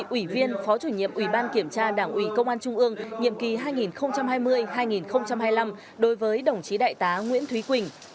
ủy viên phó chủ nhiệm ủy ban kiểm tra đảng ủy công an trung ương nhiệm kỳ hai nghìn hai mươi hai nghìn hai mươi năm đối với đồng chí đại tá nguyễn thúy quỳnh